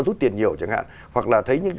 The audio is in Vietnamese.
rút tiền nhiều chẳng hạn hoặc là thấy những